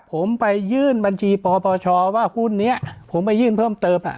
ผมไปยื่นบัญชีปปชว่าหุ้นนี้ผมไปยื่นเพิ่มเติม